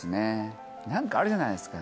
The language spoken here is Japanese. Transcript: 何かあるじゃないですか。